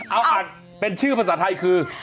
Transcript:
เอาอ่านเป็นชื่อภาษาไทยคือ